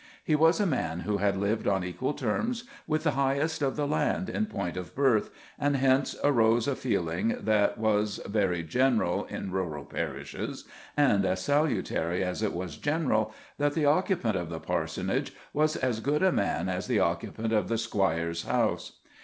He was a man who had lived on equal terms with the highest of the land in point of birth, and hence arose a feeling that was very general in rural parishes, and as salutary as it was general, that the occupant of the parsonage was as good a man as the occupant of the squire's house.